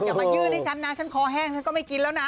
อย่ามายืดให้ฉันนะฉันคอแห้งฉันก็ไม่กินแล้วนะ